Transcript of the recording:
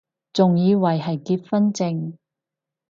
仲以為係結婚証